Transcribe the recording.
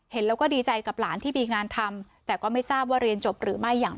เห็นแล้วก็ดีใจกับหลานที่มีงานทำแต่ก็ไม่ทราบว่าเรียนจบหรือไม่อย่าง